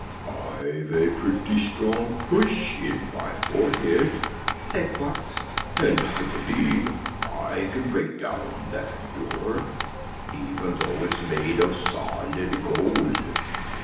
"I've a pretty strong push in my forehead," said Quox, "and I believe I can break down that door, even though it's made of solid gold."